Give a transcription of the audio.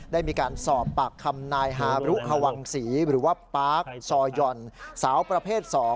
ได้มีการสอบปากคำนายฮารุฮวังศรีหรือว่าปาร์คซอย่อนสาวประเภท๒